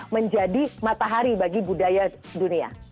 menjadi matahari bagi budaya dunia